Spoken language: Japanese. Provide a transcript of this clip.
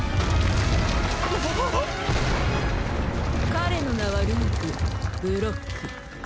彼の名はルークブロック。